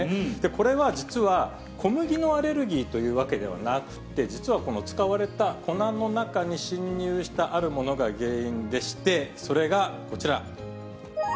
これは実は、小麦のアレルギーというわけではなくて、実はこの使われた粉の中に侵入したあるものが原因でして、それがこちら。